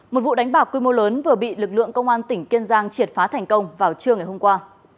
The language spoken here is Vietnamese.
một vụ đánh bạc quy mô lớn vừa bị lực lượng công an tỉnh kiên giang triệt phá thành công vào trưa ngày hôm qua